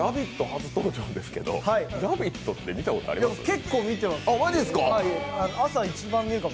初登場ですけど、「ラヴィット！」って見たことありますか？